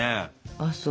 あっそう。